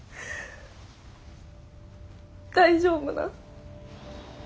大丈夫なん？